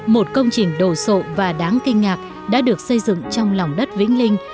một công trình đồ sộ và đáng kinh ngạc đã được xây dựng trong lòng đất vĩnh linh